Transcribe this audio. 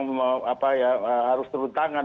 harus turun tangan